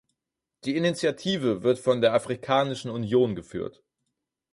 Die Initiative wird von der Afrikanischen Union geführt.